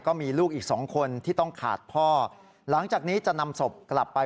ก็มีลูกอีกสองคนที่ต้องขาดพ่อหลังจากนี้จะนำศพกลับไป